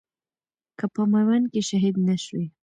که په ميوند کښي شهيد نه شوې